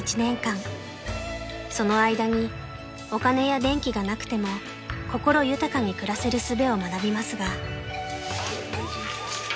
［その間にお金や電気がなくても心豊かに暮らせるすべを学びますが］